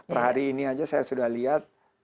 per hari ini saja saya sudah lihat